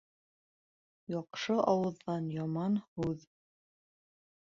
Яҡшы ауыҙҙан яман һүҙ.